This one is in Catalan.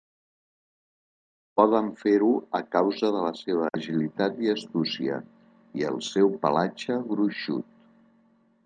Poden fer-ho a causa de la seva agilitat i astúcia, i el seu pelatge gruixut.